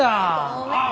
ごめん。